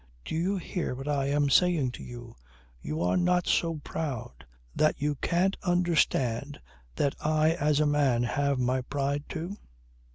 Do you hear what I am saying to you? You are not so proud that you can't understand that I as a man have my pride too?"